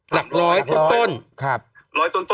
หลัก๑๐๐ต้น